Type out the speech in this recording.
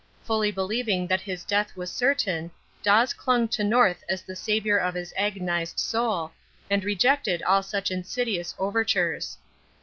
Fully believing that his death was certain, Dawes clung to North as the saviour of his agonized soul, and rejected all such insidious overtures.